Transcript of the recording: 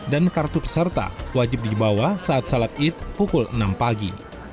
dan kartu peserta wajib dibawa saat salat id pukul enam pagi